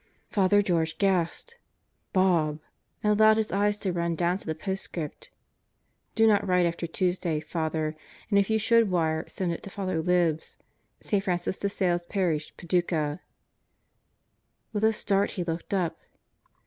Father George gasped, "Bobl" and allowed his eyes to run down to the postscript: "Do not write after Tuesday, Father, and if you should wire, send it to Father Libs, St. Francis de Sales Parish, Paducah." With a start he looked up.